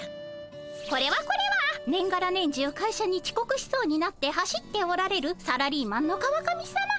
これはこれは年がら年中会社にちこくしそうになって走っておられるサラリーマンの川上さま。